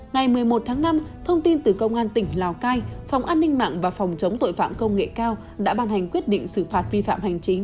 ngày một mươi một tháng năm thông tin từ công an tỉnh lào cai phòng an ninh mạng và phòng chống tội phạm công nghệ cao đã ban hành quyết định xử phạt vi phạm hành chính